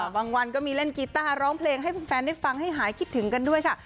วันก็มีเล่นกีต้าร้องเพลงให้แฟนได้ฟังให้หายคิดถึงกันด้วยค่ะ